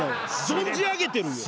存じ上げてるよ。